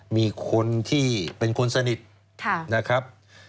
มีคนที่เป็นคนสนิทนะครับ